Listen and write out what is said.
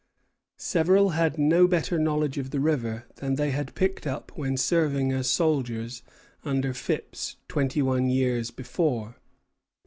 Several had no better knowledge of the river than they had picked up when serving as soldiers under Phips twenty one years before.